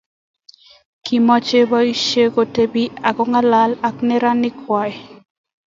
Kichomei boisie kotepii ak kong'alal ak neranik kwak.